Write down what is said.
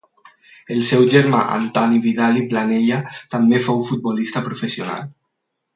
El seu germà Antoni Vidal i Planella també fou futbolista professional.